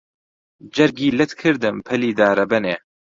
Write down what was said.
جەرگی لەت کردم پەلی دارەبەنێ